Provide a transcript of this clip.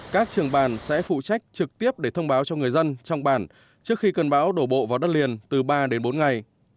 các trường bản sẽ phụ trách trực tiếp để thông báo cho người dân trong bản trước khi cơn bão đổ bộ vào đất liền từ ba đến bốn ngày